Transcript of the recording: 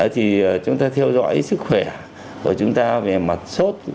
thì chúng ta theo dõi sức khỏe của chúng ta về mặt sốt